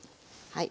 はい。